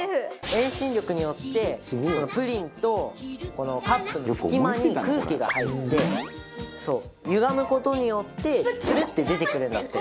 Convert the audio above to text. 遠心力によってプリンとこのカップの隙間に空気が入ってゆがむ事によってツルッて出てくるんだって。